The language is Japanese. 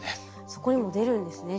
そこにも出るんですね